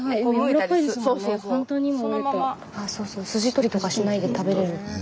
そうそう筋取りとかしないで食べれるって。